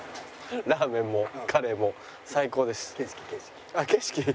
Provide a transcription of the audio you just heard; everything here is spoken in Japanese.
ラーメンもカレーも最高でした。